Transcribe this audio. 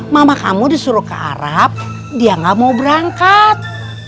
mama kamu disuruh ke arab dia gak mau berangkat